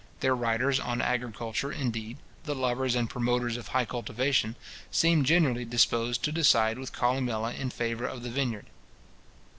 Their writers on agriculture, indeed, the lovers and promoters of high cultivation, seem generally disposed to decide with Columella in favour of the vineyard.